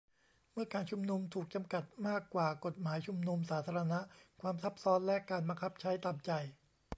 เมื่อการชุมนุม ถูกจำกัดมากกว่ากฎหมายชุมนุมสาธารณะ : ความทับซ้อนและการบังคับใช้ตามใจ